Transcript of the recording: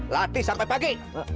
lati sampai pagi